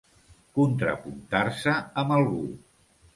Contrapuntar-se amb algú.